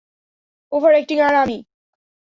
Overacting আর আমি?